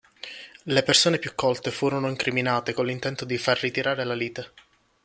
Le persone più colte furono incriminate con l'intento di far ritirare la lite.